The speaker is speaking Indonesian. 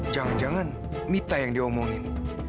jangan jangan mita yang diomongin